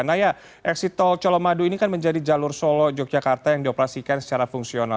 naya exit tol colomadu ini kan menjadi jalur solo yogyakarta yang dioperasikan secara fungsional